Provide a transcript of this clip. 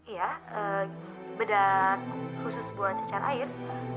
iya ee bedak khusus buat cacar air